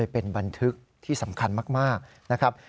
เป็นบันทึกที่สำคัญมากนะครับ